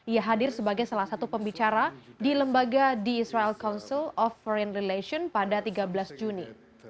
ia hadir sebagai salah satu pembicara di lembaga di israel council of foreign relation pada tiga belas juni